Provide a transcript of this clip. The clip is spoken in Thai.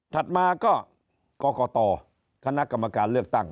ถัดมาก็กรกตคณะกรรมการเลือกตั้ง